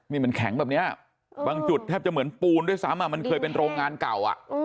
นี่มันแข็งแบบนี้บางจุดแทบจะเหมือนปูนด้วยซ้ำมันเคยเป็นโรงงานเก่า